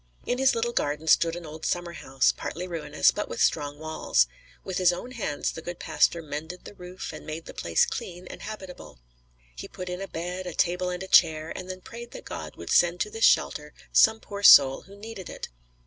In his little garden stood an old summerhouse, partly ruinous, but with strong walls. With his own hands the good pastor mended the roof and made the place clean and habitable. He put in a bed, a table and a chair, and then prayed that God would send to this shelter some poor soul who needed it.